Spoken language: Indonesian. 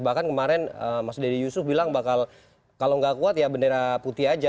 bahkan kemarin mas dede yusuf bilang bakal kalau nggak kuat ya bendera putih aja